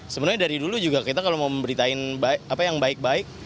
sebenarnya dari dulu juga kita kalau mau memberitain apa yang baik baik